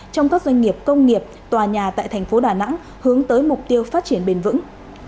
trong các doanh nghiệp công nghiệp tòa nhà tại thành phố đà nẵng hướng tới mục tiêu phát triển bền vững